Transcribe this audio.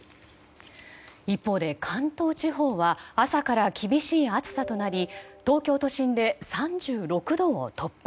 一方で、関東地方は朝から厳しい暑さとなり東京都心で３６度を突破。